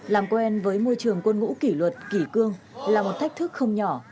làm quen với môi trường quân ngũ kỷ luật kỷ cương là một thách thức không nhỏ